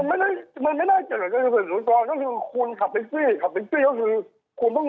เข้าไปถามผมตรง